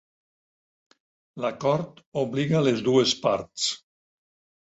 L'acord obliga les dues parts.